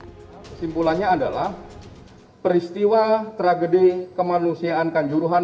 kesimpulannya adalah peristiwa tragedi kemanusiaan kanjuruhan